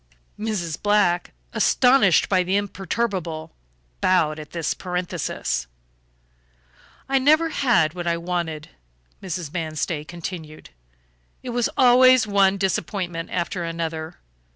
Mrs. Black, astonished but imperturbable, bowed at this parenthesis. "I never had what I wanted," Mrs. Manstey continued. "It was always one disappointment after another.